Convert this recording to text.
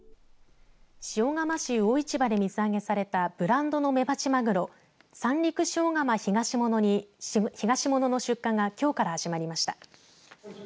塩釜市魚市場で水揚げされたブランドのメバチマグロ三陸塩竈ひがしものの出荷がきょうから始まりました。